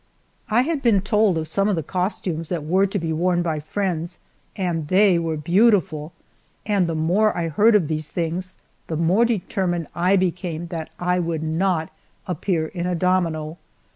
I had been told of some of the costumes that were to be worn by friends, and they were beautiful, and the more I heard of these things, the more determined I became that I would not appear in a domino!